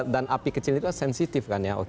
dan api kecil itu sensitif kan ya